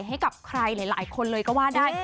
ให้กับใครหลายคนเลยก็ว่าได้